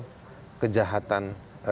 bahwa ini bukan kejahatan